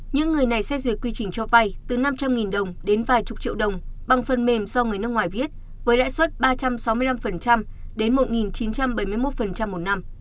những người này xét duyệt quy trình cho vay từ năm trăm linh đồng đến vài chục triệu đồng bằng phần mềm do người nước ngoài viết với lãi suất ba trăm sáu mươi năm đến một chín trăm bảy mươi một một năm